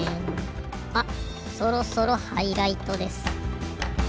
あそろそろハイライトです。